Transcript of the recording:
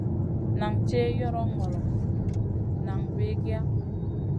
Nan tih yoron ŋolo, nan wikiya.